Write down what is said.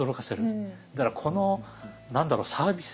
だからこの何だろうサービス